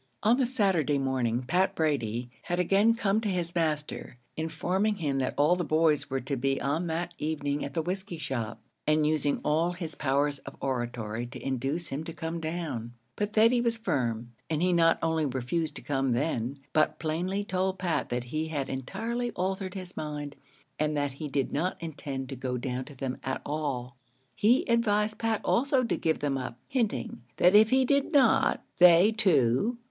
On the Saturday morning, Pat Brady had again come to his master, informing him that all the boys were to be on that evening at the whiskey shop, and using all his powers of oratory to induce him to come down; but Thady was firm, and he not only refused to come then, but plainly told Pat that he had entirely altered his mind, and that he did not intend to go down to them at all. He advised Pat also to give them up, hinting that if he did not, they two, viz.